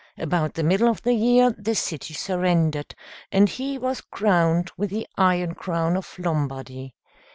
About the middle of the year, the city surrendered, and he was crowned with the iron crown of Lombardy.